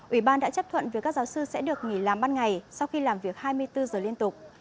ủy ban đã chấp thuận việc các giáo sư sẽ được nghỉ làm ban ngày sau khi làm việc hai mươi bốn giờ liên tục